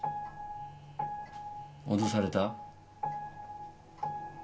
脅された？